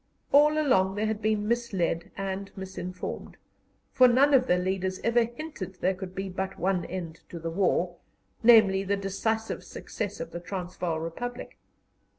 All along they had been misled and misinformed, for none of their leaders ever hinted there could be but one end to the war namely, the decisive success of the Transvaal Republic.